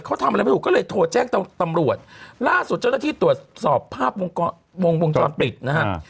เขาทำอะไรไม่ถูกก็เลยโทรแจ้งตำรวจล่าสุดเจ้าหน้าที่ตรวจสอบภาพวงจรปิดนะฮะ